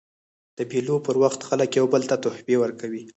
د مېلو پر وخت خلک یو بل ته تحفې ورکوي.